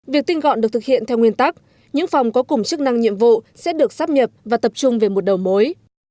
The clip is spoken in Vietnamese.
việc tinh gọn được thực hiện theo nguyên tắc những phòng có cùng chức năng nhiệm vụ sẽ được sắp nhập và tập trung về một đầu mối